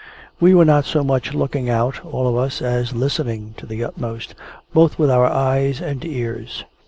We were not so much looking out, all of us, as listening to the utmost, both with our eyes and ears.